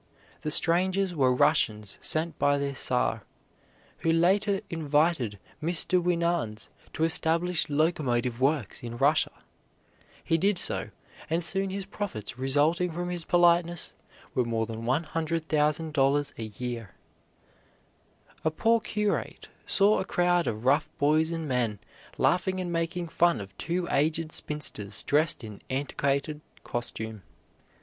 The strangers were Russians sent by their Czar, who later invited Mr. Winans to establish locomotive works in Russia. He did so, and soon his profits resulting from his politeness were more than $100,000 a year. A poor curate saw a crowd of rough boys and men laughing and making fun of two aged spinsters dressed in antiquated costume.